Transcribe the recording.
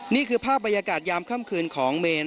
นี่คือภาพบรรยากาศยามค่ำคืนของเมน